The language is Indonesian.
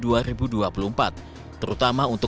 di sisi lain bergabungnya ridwan kamil ke partai berlambang beringin